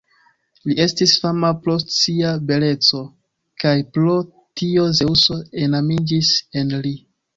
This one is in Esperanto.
Li estis fama pro sia beleco, kaj pro tio Zeŭso enamiĝis en lin.